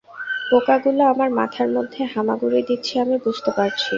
পোকাগুলো আমার মাথার মধ্যে হামাগুড়ি দিচ্ছে আমি বুঝতে পারছি।